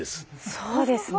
そうですね。